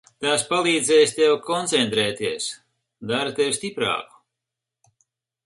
Tās palīdz tev koncentrēties, dara tevi stiprāku.